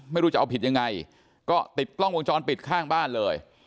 ไม่รู้จะเอาผิดยังไงก็ติดกล้องวงจรปิดข้างบ้านเลย